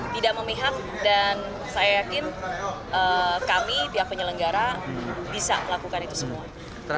tidak memihak dan saya yakin kami pihak penyelenggara bisa melakukan itu semua